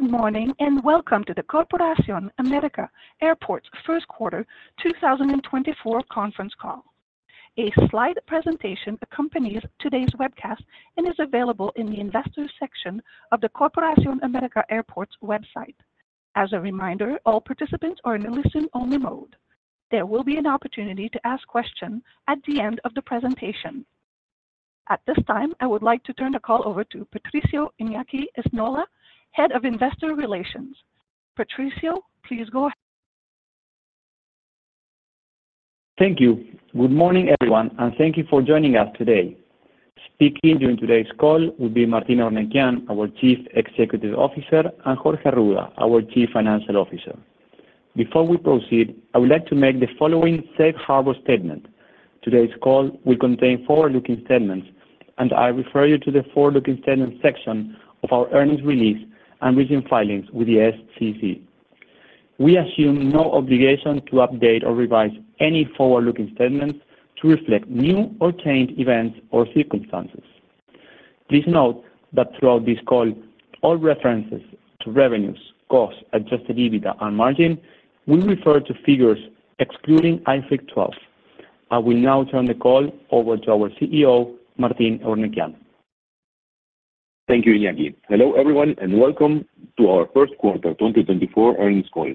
Good morning, and welcome to the Corporación América Airports first quarter 2024 conference call. A slide presentation accompanies today's webcast and is available in the Investors section of the Corporación América Airports website. As a reminder, all participants are in a listen-only mode. There will be an opportunity to ask questions at the end of the presentation. At this time, I would like to turn the call over to Patricio Iñaki Esnaola, Head of Investor Relations. Patricio, please go ahead. Thank you. Good morning, everyone, and thank you for joining us today. Speaking during today's call will be Martín Eurnekian, our Chief Executive Officer, and Jorge Arruda, our Chief Financial Officer. Before we proceed, I would like to make the following safe harbor statement: Today's call will contain forward-looking statements, and I refer you to the forward-looking statements section of our earnings release and recent filings with the SEC. We assume no obligation to update or revise any forward-looking statements to reflect new or changed events or circumstances. Please note that throughout this call, all references to revenues, costs, adjusted EBITDA, and margin will refer to figures excluding IFRIC 12. I will now turn the call over to our CEO, Martín Eurnekian. Thank you, Iñaki. Hello, everyone, and welcome to our first quarter 2024 earnings call.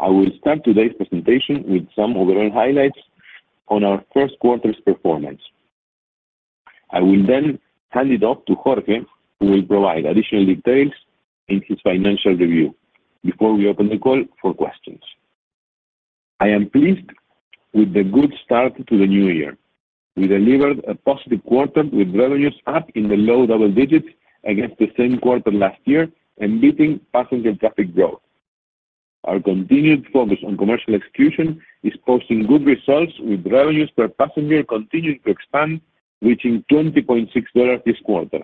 I will start today's presentation with some overall highlights on our first quarter's performance. I will then hand it off to Jorge, who will provide additional details in his financial review before we open the call for questions. I am pleased with the good start to the new year. We delivered a positive quarter, with revenues up in the low double digits against the same quarter last year and beating passenger traffic growth. Our continued focus on commercial execution is posting good results, with revenues per passenger continuing to expand, reaching $20.6 this quarter,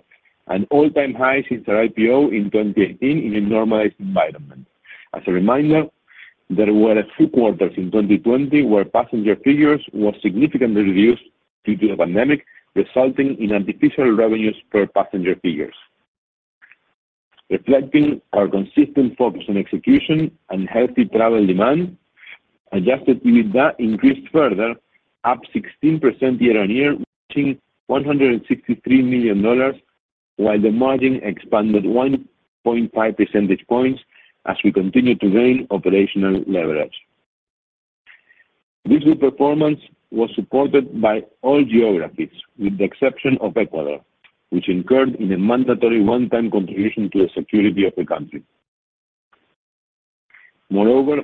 an all-time high since our IPO in 2018 in a normalized environment. As a reminder, there were a few quarters in 2020 where passenger figures were significantly reduced due to the pandemic, resulting in artificial revenues per passenger figures. Reflecting our consistent focus on execution and healthy travel demand, adjusted EBITDA increased further, up 16% year-on-year, reaching $163 million, while the margin expanded 1.5 percentage points as we continue to gain operational leverage. This good performance was supported by all geographies, with the exception of Ecuador, which incurred a mandatory one-time contribution to the security of the country. Moreover,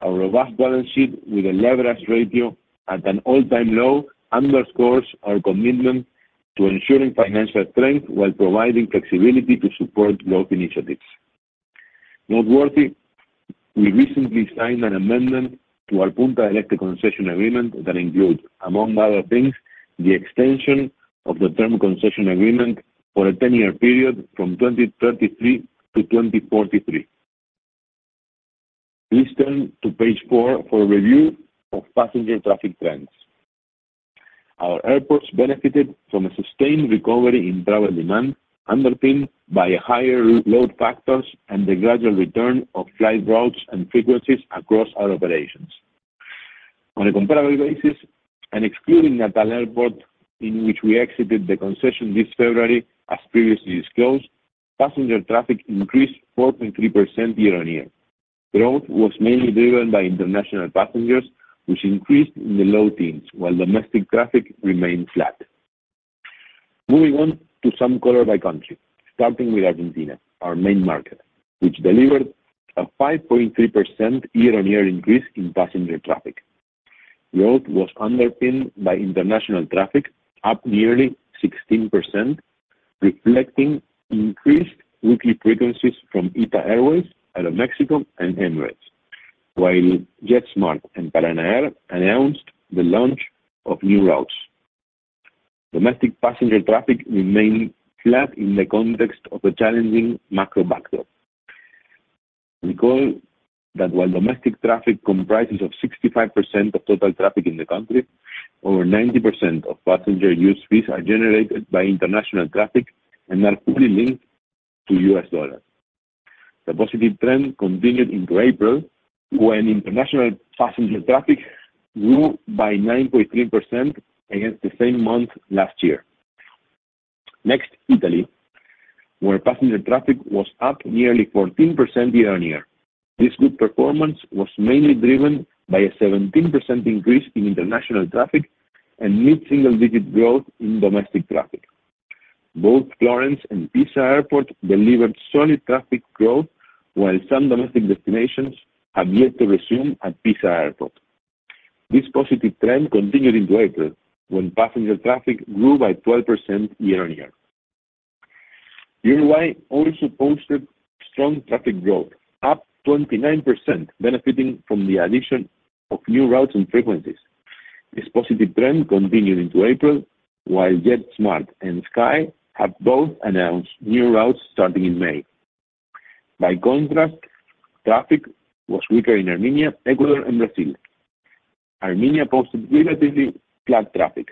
our robust balance sheet, with a leverage ratio at an all-time low, underscores our commitment to ensuring financial strength while providing flexibility to support growth initiatives. Noteworthy, we recently signed an amendment to our Punta del Este concession agreement that includes, among other things, the extension of the term concession agreement for a 10-year period from 2033 to 2043. Please turn to page four for a review of passenger traffic trends. Our airports benefited from a sustained recovery in travel demand, underpinned by higher load factors and the gradual return of flight routes and frequencies across our operations. On a comparable basis, and excluding Natal Airport, in which we exited the concession this February, as previously disclosed, passenger traffic increased 4.3% year-on-year. Growth was mainly driven by international passengers, which increased in the low teens, while domestic traffic remained flat. Moving on to some color by country, starting with Argentina, our main market, which delivered a 5.3% year-on-year increase in passenger traffic. Growth was underpinned by international traffic, up nearly 16%, reflecting increased weekly frequencies from ITA Airways, Aeroméxico, and Emirates. While JetSMART and Paranair announced the launch of new routes. Domestic passenger traffic remained flat in the context of a challenging macro backdrop. Recall that while domestic traffic comprises of 65% of total traffic in the country, over 90% of passenger use fees are generated by international traffic and are fully linked to US dollars. The positive trend continued into April, when international passenger traffic grew by 9.3% against the same month last year. Next, Italy, where passenger traffic was up nearly 14% year-on-year. This good performance was mainly driven by a 17% increase in international traffic and mid-single-digit growth in domestic traffic. Both Florence and Pisa Airport delivered solid traffic growth, while some domestic destinations have yet to resume at Pisa Airport. This positive trend continued into April, when passenger traffic grew by 12% year-on-year. Uruguay also posted strong traffic growth, up 29%, benefiting from the addition of new routes and frequencies. This positive trend continued into April, while JetSMART and SKY have both announced new routes starting in May. By contrast, traffic was weaker in Armenia, Ecuador, and Brazil.... Armenia posted relatively flat traffic,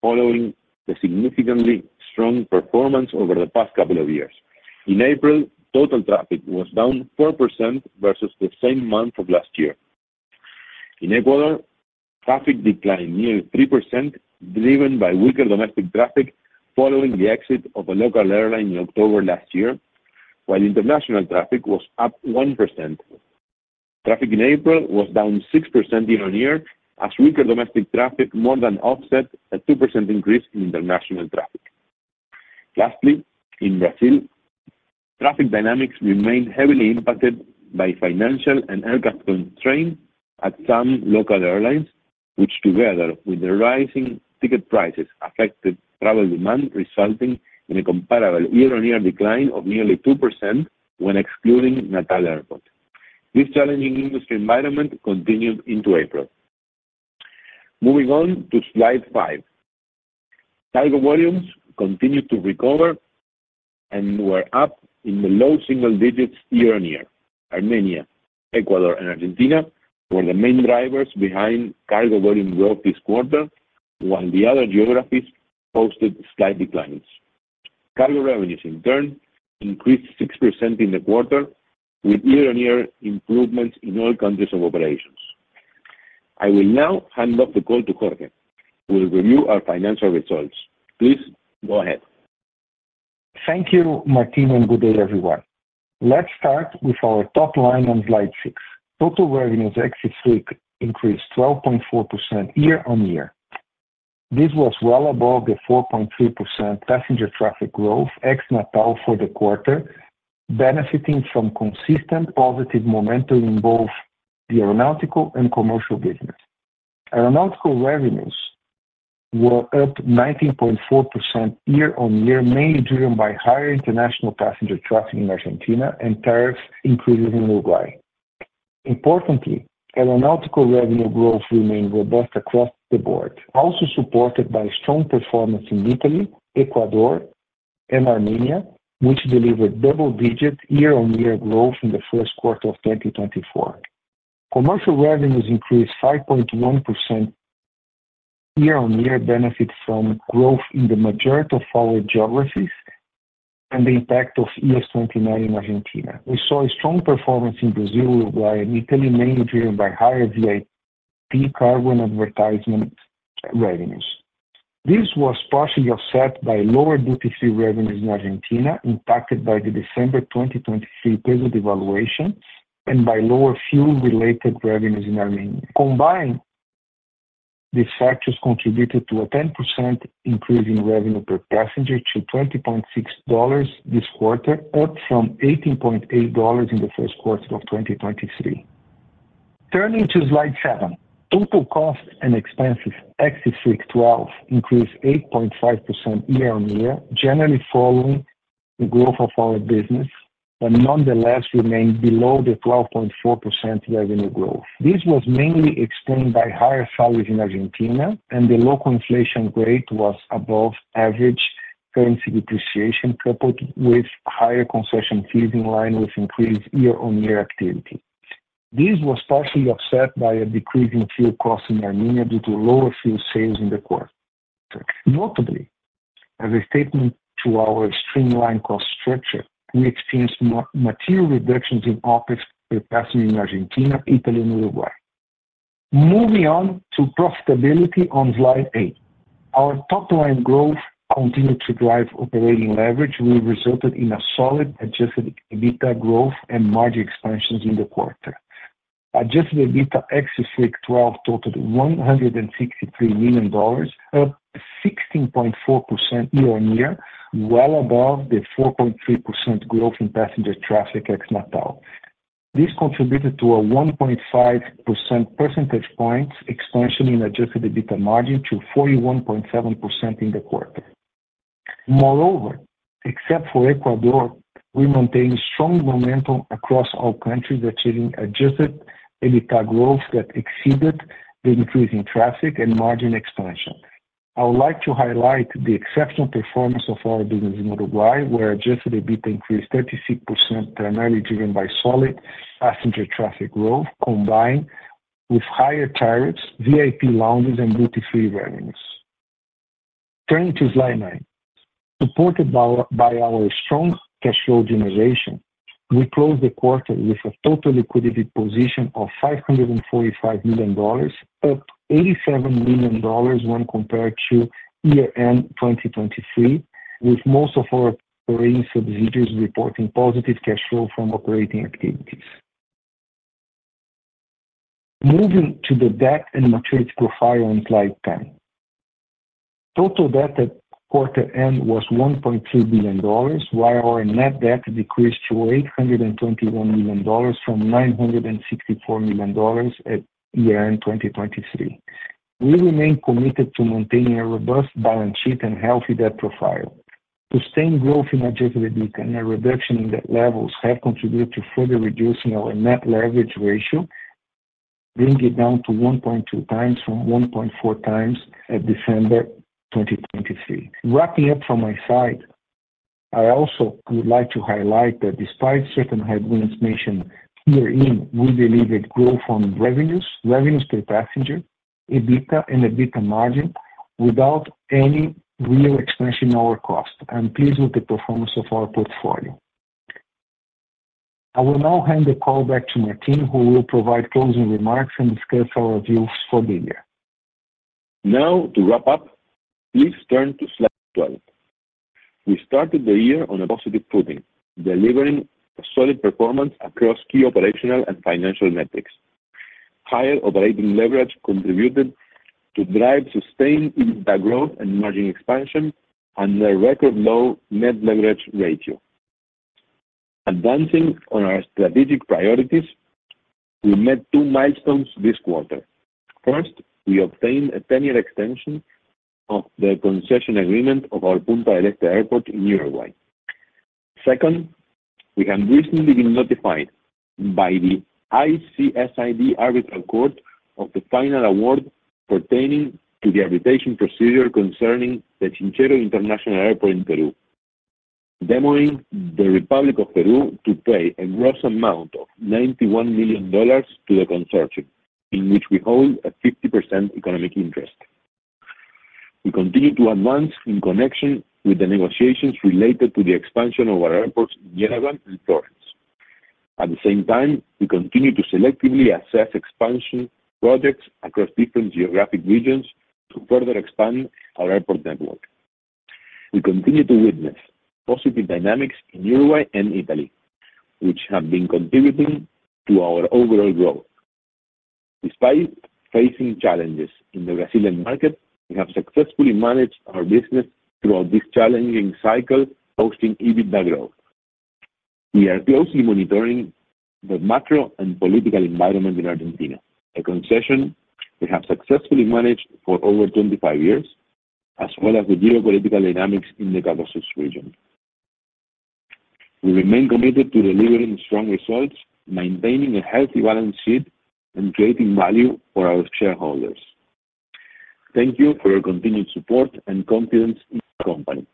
following the significantly strong performance over the past couple of years. In April, total traffic was down 4% versus the same month of last year. In Ecuador, traffic declined nearly 3%, driven by weaker domestic traffic, following the exit of a local airline in October last year, while international traffic was up 1%. Traffic in April was down 6% year-on-year, as weaker domestic traffic more than offset a 2% increase in international traffic. Lastly, in Brazil, traffic dynamics remained heavily impacted by financial and aircraft constraints at some local airlines, which, together with the rising ticket prices, affected travel demand, resulting in a comparable year-on-year decline of nearly 2% when excluding Natal Airport. This challenging industry environment continued into April. Moving on to slide five. Cargo volumes continued to recover and were up in the low single digits year-on-year. Armenia, Ecuador, and Argentina were the main drivers behind cargo volume growth this quarter, while the other geographies posted slight declines. Cargo revenues, in turn, increased 6% in the quarter, with year-on-year improvements in all countries of operations. I will now hand off the call to Jorge, who will review our financial results. Please go ahead. Thank you, Martin, and good day, everyone. Let's start with our top line on slide six. Total revenues ex-IFRIC increased 12.4% year-on-year. This was well above the 4.3% passenger traffic growth ex Natal for the quarter, benefiting from consistent positive momentum in both the aeronautical and commercial business. Aeronautical revenues were up 19.4% year-on-year, mainly driven by higher international passenger traffic in Argentina and tariffs increases in Uruguay. Importantly, aeronautical revenue growth remained robust across the board, also supported by strong performance in Italy, Ecuador, and Armenia, which delivered double-digit year-on-year growth in the first quarter of 2024. Commercial revenues increased 5.1% year-on-year, benefit from growth in the majority of our geographies and the impact of IAS 29 in Argentina. We saw a strong performance in Brazil, Uruguay, and Italy, mainly driven by higher VIP, cargo, and advertisement revenues. This was partially offset by lower duty-free revenues in Argentina, impacted by the December 2023 peso devaluation and by lower fuel-related revenues in Armenia. Combined, these factors contributed to a 10% increase in revenue per passenger to $20.6 this quarter, up from $18.8 in the first quarter of 2023. Turning to slide seven. Total costs and expenses ex-IFRIC 12 increased 8.5% year-on-year, generally following the growth of our business, but nonetheless remained below the 12.4% revenue growth. This was mainly explained by higher salaries in Argentina, and the local inflation rate was above average currency depreciation, coupled with higher concession fees in line with increased year-on-year activity. This was partially offset by a decrease in fuel costs in Armenia due to lower fuel sales in the quarter. Notably, as a statement to our streamlined cost structure, we experienced material reductions in OpEx per passenger in Argentina, Italy, and Uruguay. Moving on to profitability on slide eight. Our top-line growth continued to drive operating leverage, which resulted in a solid Adjusted EBITDA growth and margin expansions in the quarter. Adjusted EBITDA ex-IFRIC 12 totaled $163 million, up 16.4% year-on-year, well above the 4.3% growth in passenger traffic ex Natal. This contributed to a 1.5 percentage points expansion in Adjusted EBITDA margin to 41.7% in the quarter. Moreover, except for Ecuador, we maintained strong momentum across all countries, achieving Adjusted EBITDA growth that exceeded the increase in traffic and margin expansion. I would like to highlight the exceptional performance of our business in Uruguay, where adjusted EBITDA increased 36%, primarily driven by solid passenger traffic growth, combined with higher tariffs, VIP lounges, and duty-free revenues. Turning to slide nine. Supported by our strong cash flow generation, we closed the quarter with a total liquidity position of $545 million, up $87 million when compared to year-end 2023, with most of our operating subsidiaries reporting positive cash flow from operating activities. Moving to the debt and maturity profile on slide 10. Total debt at quarter end was $1.2 billion, while our net debt decreased to $821 million from $964 million at year-end 2023. We remain committed to maintaining a robust balance sheet and healthy debt profile. Sustained growth in Adjusted EBITDA and a reduction in debt levels have contributed to further reducing our net leverage ratio, bringing it down to 1.2x from 1.4x at December 2023. Wrapping up from my side, I also would like to highlight that despite certain headwinds mentioned herein, we delivered growth on revenues, revenues per passenger, EBITDA, and EBITDA margin, without any real expansion in our cost. I'm pleased with the performance of our portfolio. I will now hand the call back to Martin, who will provide closing remarks and discuss our views for the year. Now, to wrap up, please turn to slide 12. We started the year on a positive footing, delivering a solid performance across key operational and financial metrics. Higher operating leverage contributed to drive sustained EBITDA growth and margin expansion and a record low net leverage ratio. Advancing on our strategic priorities, we met two milestones this quarter. First, we obtained a 10-year extension of the concession agreement of our Punta del Este Airport in Uruguay. Second, we have recently been notified by the ICSID Arbitral Court of the final award pertaining to the arbitration procedure concerning the Chinchero International Airport in Peru, demanding the Republic of Peru to pay a gross amount of $91 million to the consortium, in which we hold a 50% economic interest. We continue to advance in connection with the negotiations related to the expansion of our airports in Yerevan and Florence. At the same time, we continue to selectively assess expansion projects across different geographic regions to further expand our airport network. We continue to witness positive dynamics in Uruguay and Italy, which have been contributing to our overall growth. Despite facing challenges in the Brazilian market, we have successfully managed our business throughout this challenging cycle, posting EBITDA growth. We are closely monitoring the macro and political environment in Argentina, a concession we have successfully managed for over 25 years, as well as the geopolitical dynamics in the Caucasus region. We remain committed to delivering strong results, maintaining a healthy balance sheet, and creating value for our shareholders. Thank you for your continued support and confidence in our company.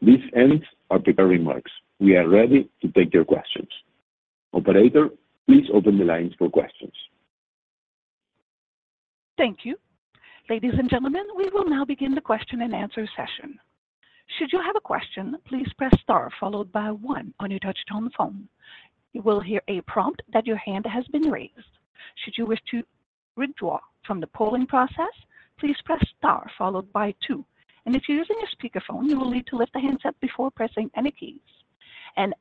This ends our prepared remarks. We are ready to take your questions. Operator, please open the lines for questions. Thank you. Ladies and gentlemen, we will now begin the question-and-answer session. Should you have a question, please press star followed by one on your touchtone phone. You will hear a prompt that your hand has been raised. Should you wish to withdraw from the polling process, please press star followed by two. If you're using a speakerphone, you will need to lift the handset before pressing any keys.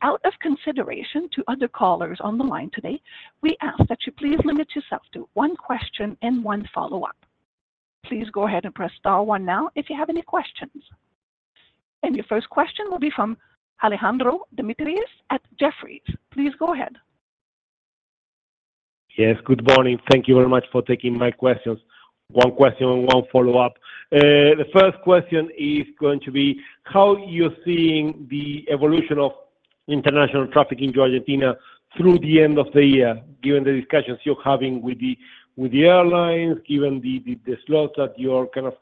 Out of consideration to other callers on the line today, we ask that you please limit yourself to one question and one follow-up. Please go ahead and press star one now if you have any questions. Your first question will be from Alejandro Demichelis at Jefferies. Please go ahead. Yes, good morning. Thank you very much for taking my questions. One question and one follow-up. The first question is going to be: How are you seeing the evolution of international traffic into Argentina through the end of the year, given the discussions you're having with the airlines, given the slots that you're kind of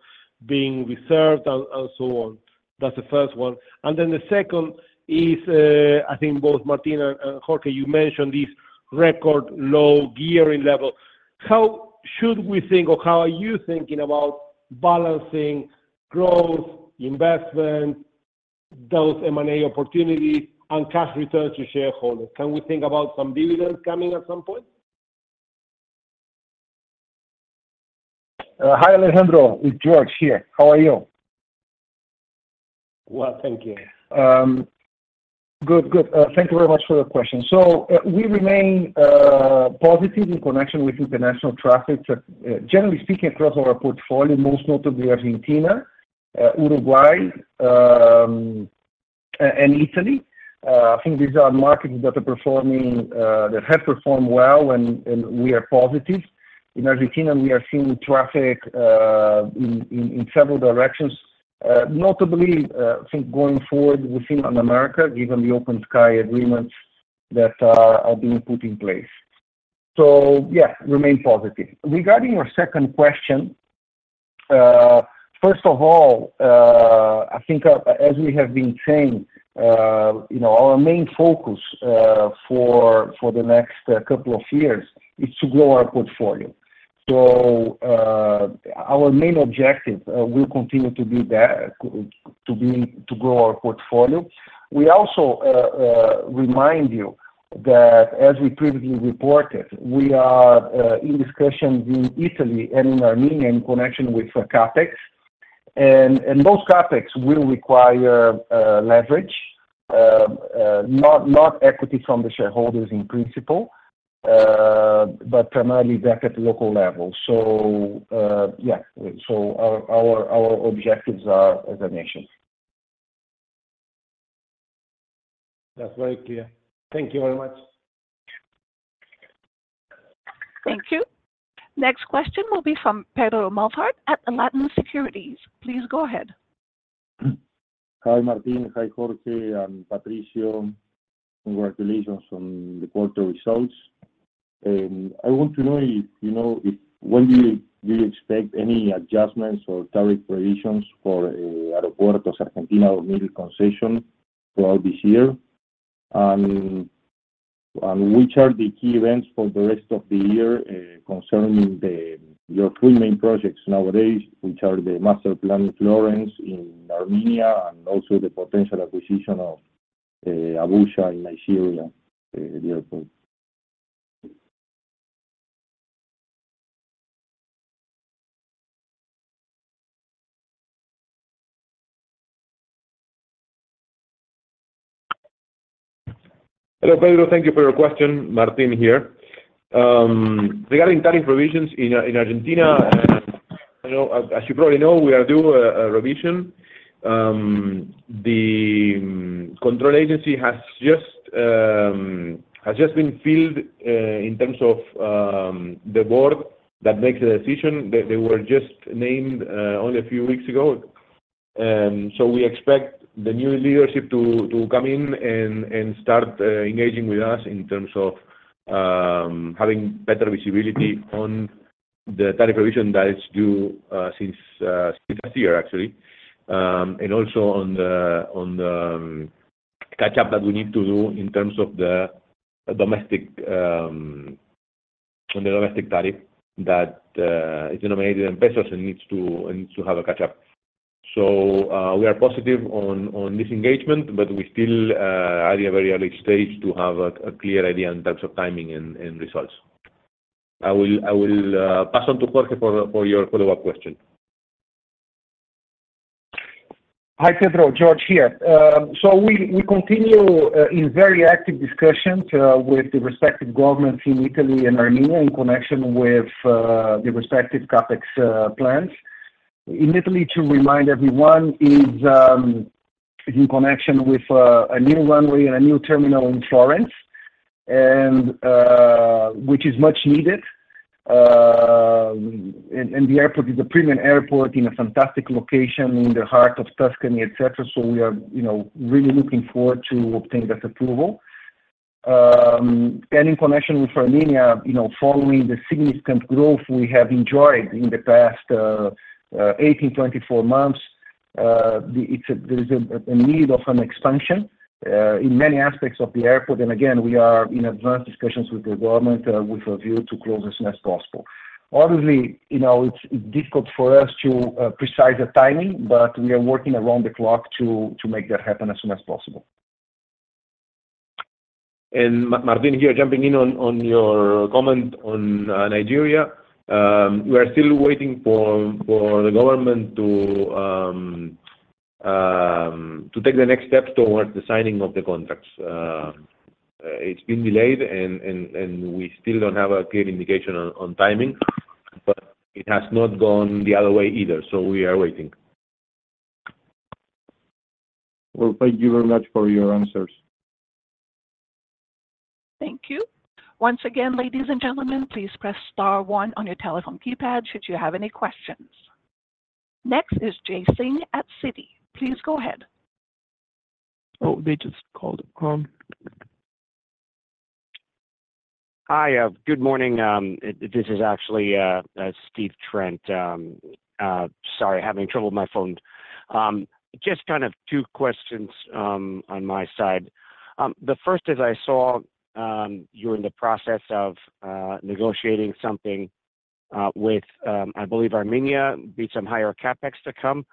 being reserved and so on? That's the first one. And then the second is, I think both Martin and Jorge, you mentioned this record low gearing level. How should we think or how are you thinking about balancing growth, investment, those M&A opportunities, and cash returns to shareholders? Can we think about some dividends coming at some point? Hi, Alejandro, it's Jorge here. How are you? Well, thank you. Good. Good. Thank you very much for your question. So, we remain positive in connection with international traffic, generally speaking, across our portfolio, most notably Argentina, Uruguay, and Italy. I think these are markets that are performing, that have performed well, and we are positive. In Argentina, we are seeing traffic in several directions, notably, I think going forward within America, given the open sky agreements that are being put in place. So yeah, remain positive. Regarding your second question, first of all, I think as we have been saying, you know, our main focus for the next couple of years is to grow our portfolio. So, our main objective will continue to be that, to grow our portfolio. We also remind you that as we previously reported, we are in discussions in Italy and in Armenia in connection with CapEx. And those CapEx will require leverage, not equity from the shareholders in principle, but primarily back at the local level. So, yeah, so our objectives are as I mentioned. That's very clear. Thank you very much. Thank you. Next question will be from Pedro Molthart at Latin Securities. Please go ahead. Hi, Martin. Hi, Jorge and Patricio. Congratulations on the quarter results. I want to know if, you know, do you expect any adjustments or tariff provisions for Aeropuertos Argentina, our main concession throughout this year? And which are the key events for the rest of the year concerning your three main projects nowadays, which are the Master Plan Florence in Armenia, and also the potential acquisition of Abuja in Nigeria, the airport? Hello, Pedro. Thank you for your question. Martin here. Regarding tariff provisions in Argentina, and you know, as you probably know, we are due a revision. The control agency has just been filled in terms of the board that makes the decision. They were just named only a few weeks ago. So we expect the new leadership to come in and start engaging with us in terms of having better visibility on the tariff revision that is due since this year, actually. And also on the catch-up that we need to do in terms of the domestic on the domestic tariff, that is nominated in pesos and needs to have a catch-up. So, we are positive on this engagement, but we still are at a very early stage to have a clear idea in terms of timing and results. I will pass on to Jorge for your follow-up question. Hi, Pedro. Jorge here. So we continue in very active discussions with the respective governments in Italy and Armenia in connection with the respective CapEx plans. In Italy, to remind everyone, is in connection with a new runway and a new terminal in Florence, and which is much needed. And the airport is a premium airport in a fantastic location in the heart of Tuscany, et cetera. So we are, you know, really looking forward to obtain that approval. And in connection with Armenia, you know, following the significant growth we have enjoyed in the past 18-24 months, the. It's a, there's a need of an expansion in many aspects of the airport. And again, we are in advanced discussions with the government with a view to close as soon as possible. Obviously, you know, it's difficult for us to predict the timing, but we are working around the clock to make that happen as soon as possible. Martin here, jumping in on your comment on Nigeria. We are still waiting for the government to take the next steps towards the signing of the contracts. It's been delayed and we still don't have a clear indication on timing, but it has not gone the other way either, so we are waiting. Well, thank you very much for your answers. Thank you. Once again, ladies and gentlemen, please press star one on your telephone keypad should you have any questions. Next is Jay Singh at Citi. Please go ahead. Oh, they just called. Hi, good morning. This is actually Steve Trent. Sorry, having trouble with my phone. Just kind of two questions on my side. The first is I saw you're in the process of negotiating something with, I believe, Armenia, to be some higher CapEx to come.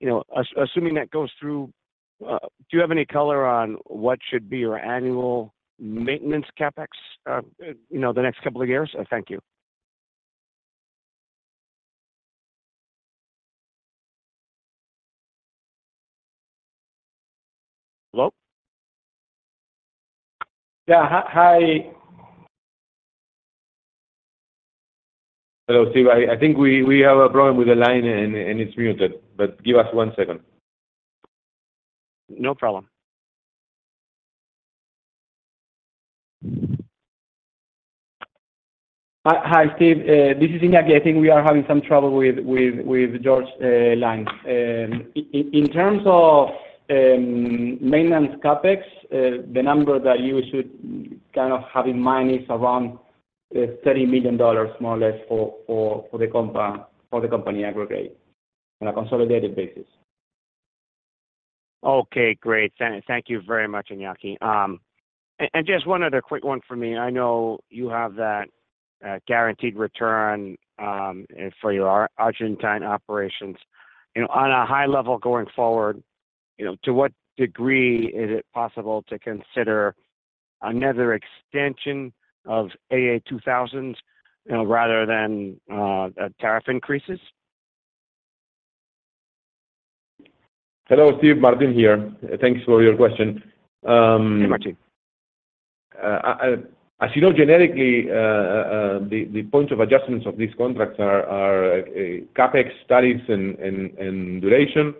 You know, assuming that goes through, do you have any color on what should be your annual maintenance CapEx, you know, the next couple of years? Thank you. Hello? Yeah, hi, hi. Hello, Steve. I think we have a problem with the line, and it's muted, but give us one second. No problem. Hi, hi, Steve, this is Iñaki. I think we are having some trouble with Jorge line. In terms of maintenance CapEx, the number that you should kind of have in mind is around $30 million, more or less, for the company, for the company aggregate on a consolidated basis. Okay, great. Thank you very much, Iñaki. And just one other quick one for me. I know you have that guaranteed return for your Argentine operations. You know, on a high level going forward, you know, to what degree is it possible to consider another extension of AA2000, you know, rather than tariff increases? Hello, Steve, Martin here. Thanks for your question. Hey, Martin. As you know, generically, the point of adjustments of these contracts are CapEx, tariffs and duration.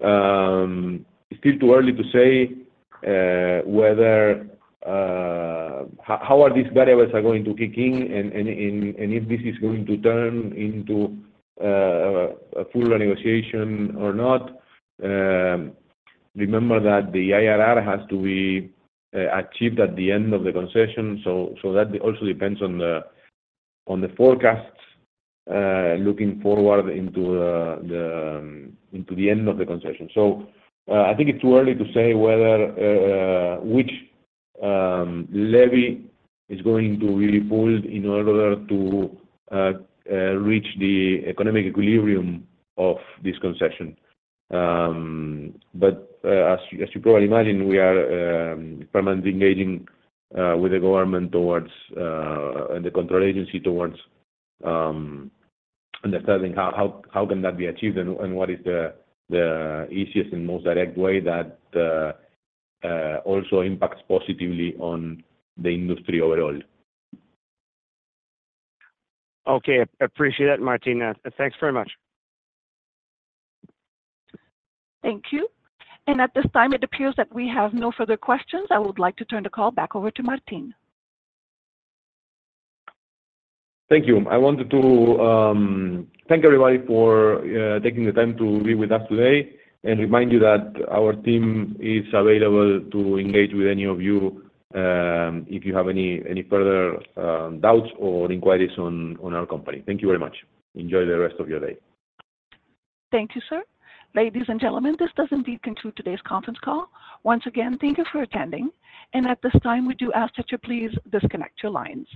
It's still too early to say whether how are these variables going to kick in and if this is going to turn into a full renegotiation or not. Remember that the IRR has to be achieved at the end of the concession, so that also depends on the forecasts looking forward into the end of the concession. So, I think it's too early to say whether which levy is going to be pulled in order to reach the economic equilibrium of this concession. As you probably imagine, we are permanently engaging with the government towards and the control agency towards understanding how that can be achieved and what is the easiest and most direct way that also impacts positively on the industry overall. Okay. Appreciate it, Martin. Thanks very much. Thank you. At this time, it appears that we have no further questions. I would like to turn the call back over to Martin. Thank you. I wanted to thank everybody for taking the time to be with us today, and remind you that our team is available to engage with any of you if you have any further doubts or inquiries on our company. Thank you very much. Enjoy the rest of your day. Thank you, sir. Ladies and gentlemen, this does indeed conclude today's conference call. Once again, thank you for attending, and at this time, we do ask that you please disconnect your lines.